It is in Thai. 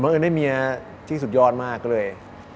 เอิญได้เมียที่สุดยอดมากเลย